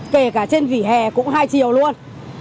kể cả trên vỉ hè cũng hai chiều luôn